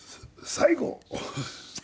最後。